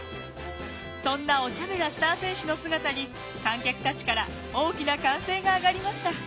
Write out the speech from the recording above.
そんなおちゃめなスター選手の姿に観客たちから大きな歓声が上がりました。